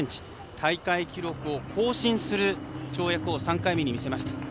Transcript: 大会記録を更新する跳躍を３回目に見せました。